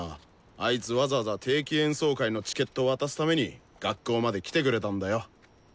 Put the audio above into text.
あいつわざわざ定期演奏会のチケット渡すために学校まで来てくれたんだよ。